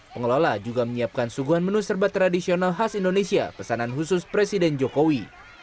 pengelola juga menyiapkan suguhan menu serbat tradisional khas indonesia pesanan khusus presiden jokowi